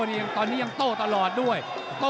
ฝ่ายทั้งเมืองนี้มันตีโต้หรืออีโต้